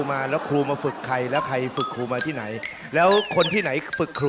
ดาบพี่ดาบจะหลุดมาทางนี้ไหม